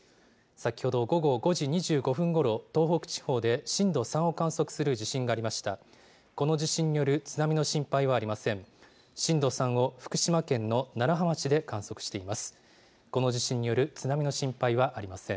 先ほど、午後５時２５分ごろ、東北地方で震度３を観測する地震がありました。